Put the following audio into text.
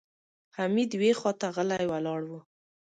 حميد يوې خواته غلی ولاړ و.